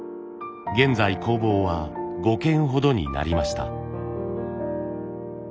現在工房は５軒ほどになりました。